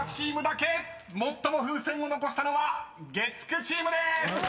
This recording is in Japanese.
［最も風船を残したのは月９チームです！］